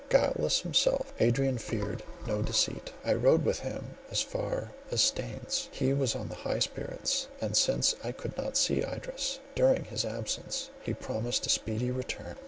Guileless himself, Adrian feared no deceit. I rode with him as far as Staines: he was in high spirits; and, since I could not see Idris during his absence, he promised a speedy return.